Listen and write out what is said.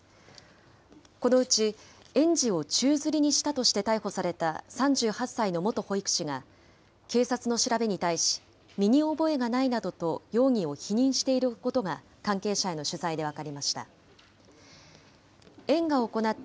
このうち、園児を宙づりにしたとして逮捕された３８歳の元保育士が、警察の調べに対し、身に覚えがないなどと容疑を否認していることが、関係者への取材で分かりました。